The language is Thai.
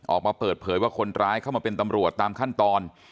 ออกมาเปิดเผยว่าคนร้ายเข้ามาเป็นตำรวจตามขั้นตอน